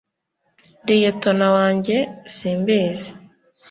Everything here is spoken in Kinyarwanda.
liyetona wanjye, simbizi